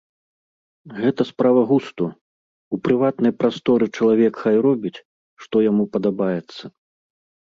Гэта справа густу, у прыватнай прасторы чалавек хай робіць, што яму падабаецца.